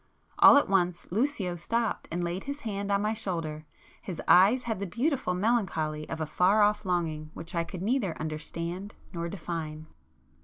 All at once Lucio stopped and laid his hand on my shoulder,—his eyes had the beautiful melancholy of a far off longing which I could neither understand nor define.